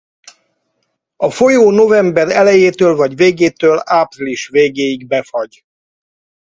A folyó november elejétől vagy végétől április végéig befagy.